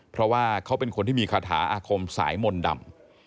เพราะว่าเขาเป็นคนที่มีคาถาอาคมสายมนต์ดำ